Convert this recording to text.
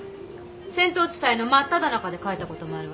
戦闘地帯の真っただ中で書いた事もあるわね。